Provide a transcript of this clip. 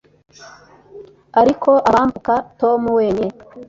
Ariko abambuka Tom wenyine